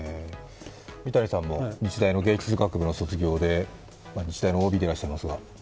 三谷さんも日大の芸術学部の卒業で日大のＯＢでらっしゃいますが？